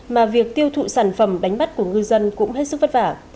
mà việc tiêu thụ sản phẩm đánh bắt của ngư dân cũng hết sức vất vả